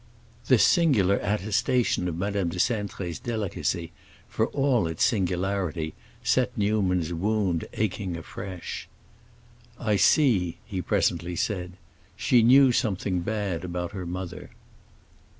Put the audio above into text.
This singular attestation of Madame de Cintré's delicacy, for all its singularity, set Newman's wound aching afresh. "I see," he presently said; "she knew something bad about her mother."